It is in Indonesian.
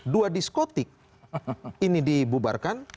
dua diskotik ini dibubarkan